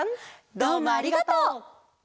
どうもありがとう。